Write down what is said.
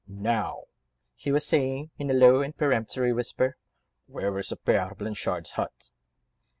"Now," he was saying in a low and peremptory whisper, "where is the Père Blanchard's hut?"